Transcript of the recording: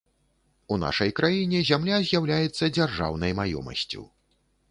У нашай краіне зямля з'яўляецца дзяржаўнай маёмасцю.